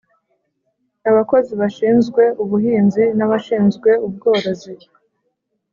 abakozi bashinzwe ubuhinzi n’abashinzwe ubworozi,